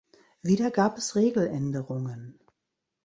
Wieder gab es Regeländerungen.